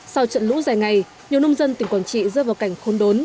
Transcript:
sau trận lũ dài ngày nhiều nông dân tỉnh quảng trị rơi vào cảnh khôn đốn